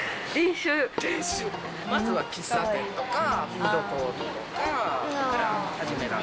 まずは喫茶店とかフードコートとかから始めた。